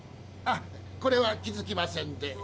あっこれは気付きませんで。